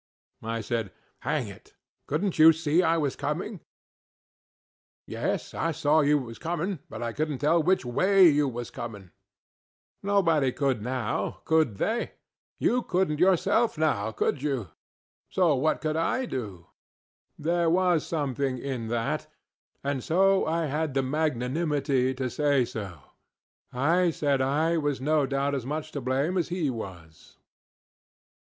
I said, ŌĆ£Hang it! CouldnŌĆÖt you SEE I was coming? ŌĆØ ŌĆ£Yes, I see you was coming, but I couldnŌĆÖt tell which WAY you was coming. Nobody couldŌĆönow, _could _they? You couldnŌĆÖt yourselfŌĆönow, could you? So what could I do? ŌĆØ There was something in that, and so I had the magnanimity to say so. I said I was no doubt as much to blame as he was.